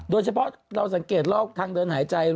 โดยเฉพาะเราสังเกตโรคทางเดินหายใจ